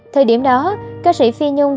thời điểm đó ca sĩ phi nhung